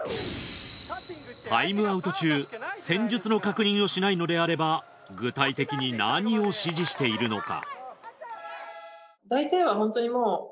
タイムアウト中戦術の確認をしないのであれば具体的に何を指示しているのか？